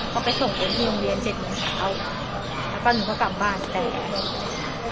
ก็ไปส่งเองที่โรงเรียนเจ็ดโมงเช้าแล้วก็หนูก็กลับบ้านแต่